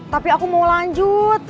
tapi aku mau lanjut